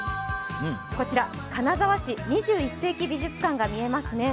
こちら、金沢市２１世紀美術館が見えますね。